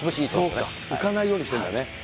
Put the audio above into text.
浮かないようにしてるんだね。